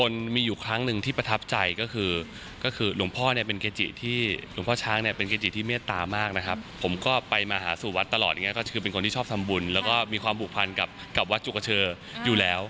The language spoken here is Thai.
แล้วก็มีความผูกพันกับวัดจุกเชอร์อยู่แล้ว